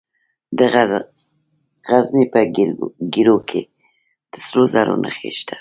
د غزني په ګیرو کې د سرو زرو نښې شته.